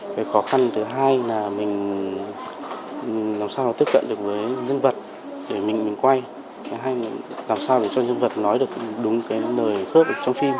cái khó khăn thứ hai là mình làm sao tiếp cận được với nhân vật để mình quay cái hai là làm sao cho nhân vật nói được đúng nơi khớp trong phim